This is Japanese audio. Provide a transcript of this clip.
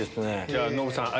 じゃノブさん